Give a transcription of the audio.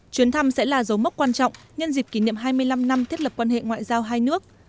chuyến thăm sẽ là dấu mốc quan trọng nhân dịp kỷ niệm hai mươi năm năm thiết lập quan hệ ngoại giao hai nước